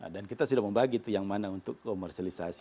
dan kita sudah membagi itu yang mana untuk komersialisasi